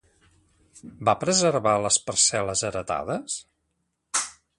Va preservar les parcel·les heretades?